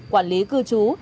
quản lý cư trú